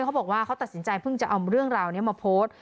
เขาบอกว่าเขาตัดสินใจเพิ่งจะเอาเรื่องราวนี้มาโพสต์